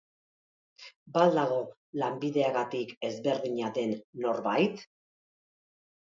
Ba al dago lanbideagatik ezberdina den norbait?